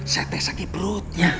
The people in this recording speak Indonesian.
saya tes lagi perutnya